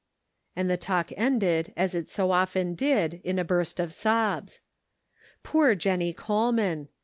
And the talk ended as it so often did in a burst of sobs. Poor Jennie Coleman